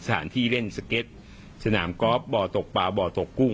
สถานที่เล่นสเก็ตสนามกอล์ฟบ่อตกปลาบ่อตกกุ้ง